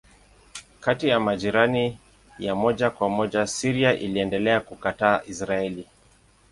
Kati ya majirani ya moja kwa moja Syria iliendelea kukataa Israeli.